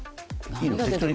いいの？